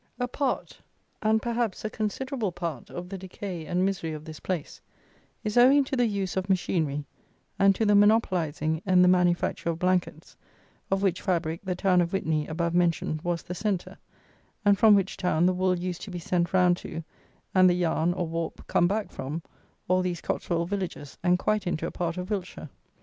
A part, and, perhaps, a considerable part, of the decay and misery of this place, is owing to the use of machinery, and to the monopolizing, in the manufacture of Blankets, of which fabric the town of Witney (above mentioned) was the centre, and from which town the wool used to be sent round to, and the yarn, or warp, come back from, all these Cotswold villages, and quite into a part of Wiltshire.